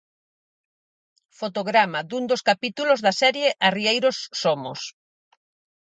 Fotograma dun dos capítulos da serie 'Arrieiros somos'.